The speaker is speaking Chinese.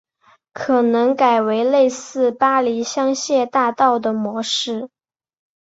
可能改为类似巴黎香榭大道的模式